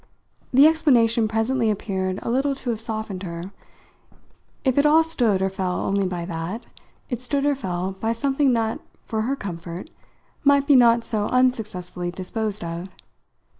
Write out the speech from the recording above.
The explanation presently appeared a little to have softened her. If it all stood or fell only by that, it stood or fell by something that, for her comfort, might be not so unsuccessfully disposed of.